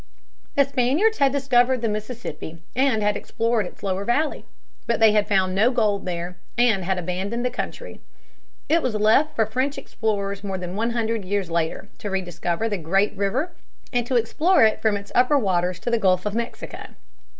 The Spaniards had discovered the Mississippi and had explored its lower valley. But they had found no gold there and had abandoned the country. It was left for French explorers more than one hundred years later to rediscover the great river and to explore it from its upper waters to the Gulf of Mexico.